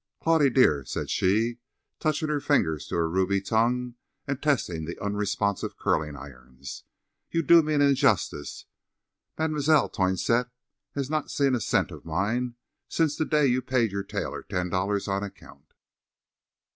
"Claudie, dear," said she, touching her finger to her ruby tongue and testing the unresponsive curling irons, "you do me an injustice. Mme. Toinette has not seen a cent of mine since the day you paid your tailor ten dollars on account."